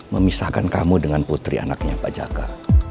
memisahkan kamu dengan putri anaknya pak jaka